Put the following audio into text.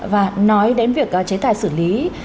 và nói đến việc chế tài xử lý